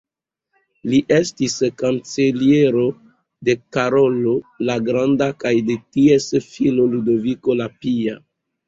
Li estis kanceliero de Karolo la Granda kaj de ties filo Ludoviko la Pia.